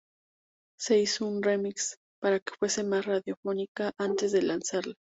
Se hizo un remix para que fuese más radiofónica antes de lanzarla.